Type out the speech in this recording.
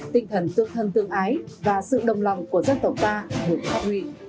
tinh thần tương thân tương ái và sự đồng lòng của dân tộc ta được phát huy